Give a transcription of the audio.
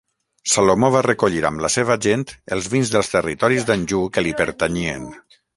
Salomó va recollir amb la seva gent els vins dels territoris d'Anjou que li pertanyien.